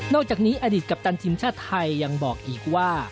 อกจากนี้อดีตกัปตันทีมชาติไทยยังบอกอีกว่า